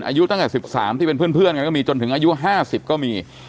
อายุตั้งแต่๑๓ที่เป็นเพื่อนกันก็มีจนถึงอายุ๕๐ก็มี